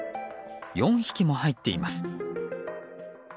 ４匹も入っています。